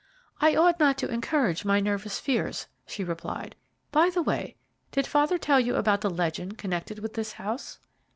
"I ought not to encourage my nervous fears," she replied. "By the way, did father tell you about the legend connected with this house?"